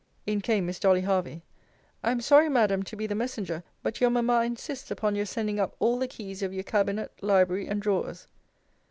In came Miss Dolly Hervey: I am sorry, Madam, to be the messenger but your mamma insists upon your sending up all the keys of your cabinet, library, and drawers.